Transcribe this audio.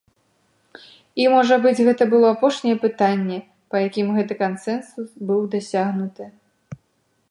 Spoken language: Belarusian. І, можа быць, гэта было апошні пытанне, па якім гэты кансэнсус быў дасягнуты.